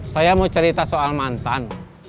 saya mau cerita soal mantan